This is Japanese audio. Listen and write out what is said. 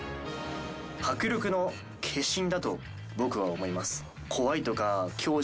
迫力の化身だと僕は思います。